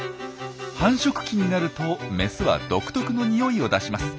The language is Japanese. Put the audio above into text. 繁殖期になるとメスは独特のにおいを出します。